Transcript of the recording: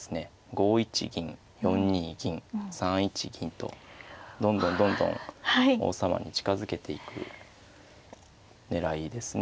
５一銀４二銀３一銀とどんどんどんどん王様に近づけていく狙いですね。